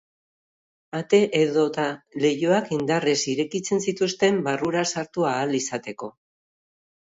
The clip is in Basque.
Ate edota leihoak indarrez irekitzen zituzten barrura sartu ahal izateko.